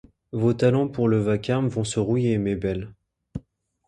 Vos talents pour le vacarme vont se rouiller, mes belles.